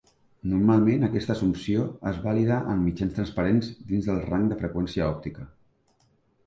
Normalment, aquesta assumpció és vàlida en mitjans transparents dins del rang de freqüència òptica.